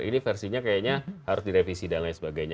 ini versinya kayaknya harus direvisi dan lain sebagainya